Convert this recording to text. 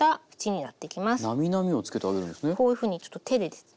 こういうふうにちょっと手でですね